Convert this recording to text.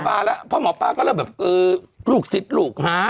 เพราะเตรียมหมอป้าแล้วเพราะหมอป้าก็เริ่มแบบลูกศิษย์ลูก